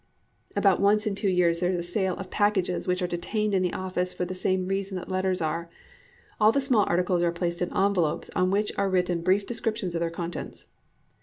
_ About once in two years there is a sale of the packages which are detained in the office for the same reason that letters are. All the small articles are placed in envelopes, on which are written brief descriptions of their contents.